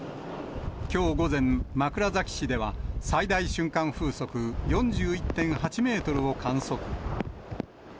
きょう午前、枕崎市では、最大瞬間風速４１．８メートルを観測。